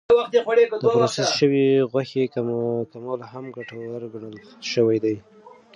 د پروسس شوې غوښې کمول هم ګټور ګڼل شوی دی.